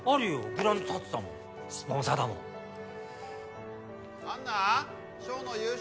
グラウンド建てたもんスポンサーだもん杏奈翔の夕食！